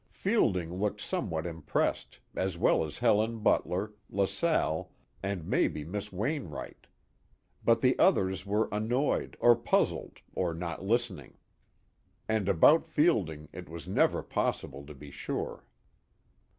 Fielding looked somewhat impressed, as well as Helen Butler, LaSalle, and maybe Miss Wainwright. But the others were annoyed, or puzzled, or not listening. And about Fielding it was never possible to be sure.